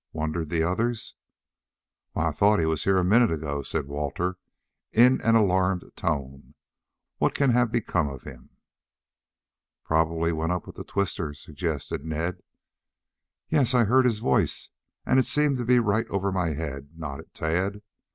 wondered the others. "Why, I thought he was here a moment ago," said Walter in an alarmed tone. "What can have become of him?" "Probably went up with the twister," suggested Ned. "Yes, I heard his voice and it seemed to be right over my head," nodded Tad.